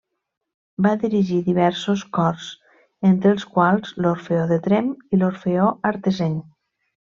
Va dirigir diversos cors, entre els quals l'Orfeó de Tremp i l'Orfeó Artesenc.